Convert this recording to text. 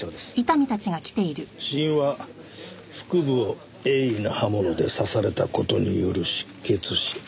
死因は腹部を鋭利な刃物で刺された事による失血死。